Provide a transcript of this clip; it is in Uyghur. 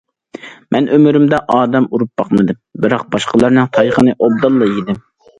مەن ئۆمرۈمدە ئادەم ئۇرۇپ باقمىدىم، بىراق باشقىلارنىڭ تايىقىنى ئوبدانلا يېدىم.